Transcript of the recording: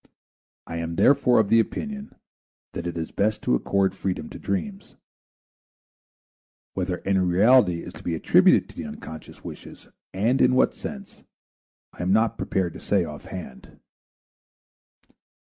I am therefore of the opinion that it is best to accord freedom to dreams. Whether any reality is to be attributed to the unconscious wishes, and in what sense, I am not prepared to say offhand.